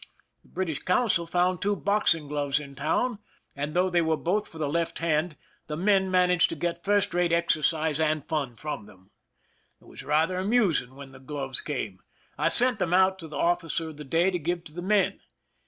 The British consul found two boxing gloves in town, and though they were both for the left hand, the men managed to get first rate exercise and fun from them. It was rather amus ing when the gloves came. I sent them out to the officer of the day to give to the men.